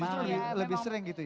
justru lebih sering gitu ya